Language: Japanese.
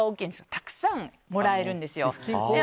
たくさんもらえるんですよ。